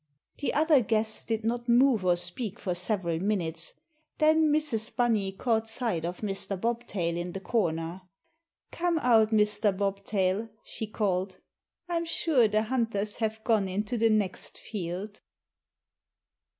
The other guests did not move or speak for several minutes. Then Mrs. Bunny caught sight of Mr. Bobtail in the corner. "Come out, Mr. Bobtail," she called, "I'm sure the hunters have gone into the next field."